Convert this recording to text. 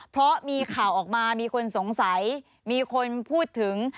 เพราะมีข่าวออกมามีคนสงสัยมีคนพูดถึง